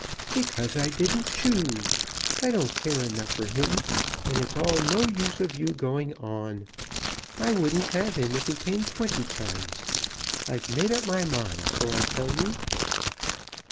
"Because I didn't choose. I don't care enough for him; and it's all no use of you going on. I wouldn't have him if he came twenty times. I've made up my mind, so I tell you."